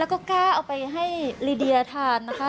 แล้วก็กล้าเอาไปให้ลีเดียทานนะคะ